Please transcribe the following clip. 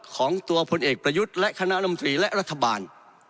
ของตัวพลเอกประยุทธ์และคณะลำตรีและรัฐบาล